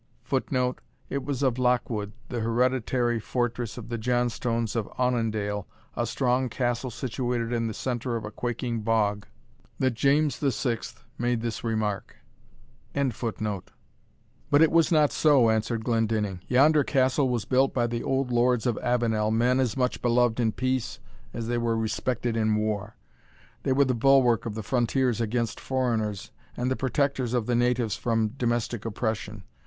[Footnote: It was of Lochwood, the hereditary fortress of the Johnstones of Aunandale, a strong castle situated in the centre of a quaking bog, that James VI. made this remark.] "But it was not so," answered Glendinning; "yonder castle was built by the old lords of Avenel, men as much beloved in peace as they were respected in war. They were the bulwark of the frontiers against foreigners, and the protectors of the natives from domestic oppression.